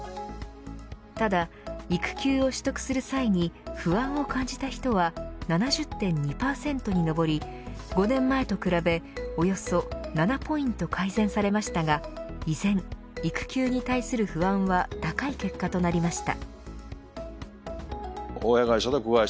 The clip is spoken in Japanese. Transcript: ただ、育休を所得する際に不安を感じた人は７０．２％に上り５年前と比べ、およそ７ポイント改善されましたが依然、育休に対する不安は高い結果となりました。